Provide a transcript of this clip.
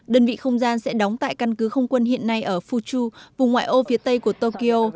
đơn vị không gian sẽ đóng tại căn cứ không quân hiện nay ở fuchu vùng ngoại ô phía tây của tokyo